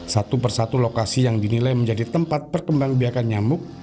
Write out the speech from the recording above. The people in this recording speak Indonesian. satu persatu lokasi yang dinilai menjadi tempat perkembang biakan nyamuk